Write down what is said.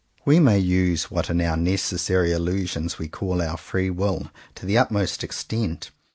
We may use what in our necessary illu sion we call our ''free will" to the utmost extent.